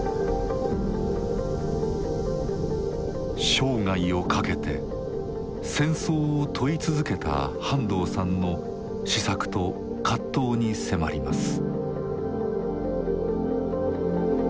生涯をかけて戦争を問い続けた半藤さんの思索と葛藤に迫ります。